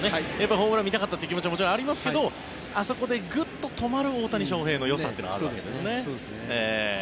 ホームランを見たかった気持ちはもちろんありますけどあそこでグッと止まる大谷翔平のよさというのがあるわけですね。